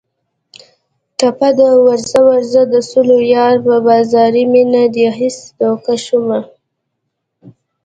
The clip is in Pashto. ټپه ده: ورځه ورځه د سلو یاره په بازاري مینه دې هسې دوکه شومه